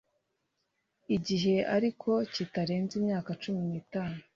igihe ariko kitarenze imyaka cumi n'itanu